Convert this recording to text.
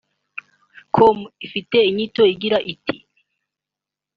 com ifite inyito igira iti